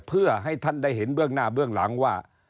เพื่อให้ท่านได้เห็นเบื้องหน้าเบื้องหลังว่า